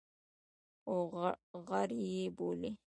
خو غر یې بولي.